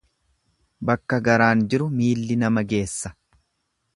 Bakka garaan jiru miilli nama geessa.